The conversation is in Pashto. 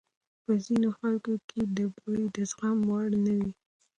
په ځینو خلکو کې بوی د زغم وړ نه وي.